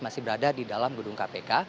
masih berada di dalam gedung kpk